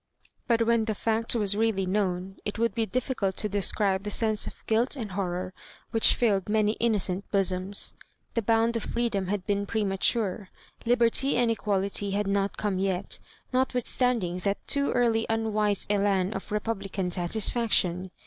But when the fact was really known, it would be difficult to describe the sense of guilt and hor ror which filled many innocent bosoms. The bound of freedom had been premature — liberty and equality had not come yet, notwithstanding that too early unwise elan of republican satisfac tion.